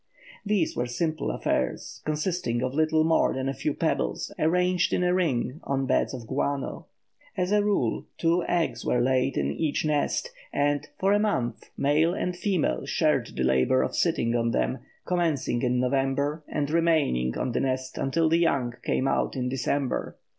These were simple affairs, consisting of little more than a few pebbles arranged in a ring on beds of guano. As a rule, two eggs were laid in each nest, and, for a month, male and female shared the labour of sitting on them, commencing in November and remaining on the nests until the young came out in December.